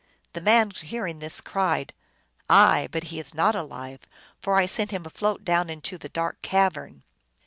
The man, hearing this, cried, " Aye ; but he is not alive, for I sent him afloat down into the dark cavern